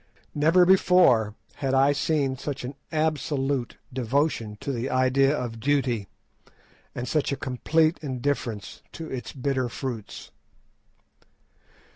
Never before had I seen such an absolute devotion to the idea of duty, and such a complete indifference to its bitter fruits.